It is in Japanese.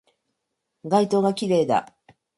街灯が綺麗だ